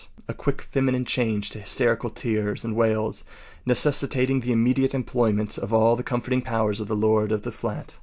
a quick feminine change to hysterical tears and wails, necessitating the immediate employment of all the comforting powers of the lord of the flat.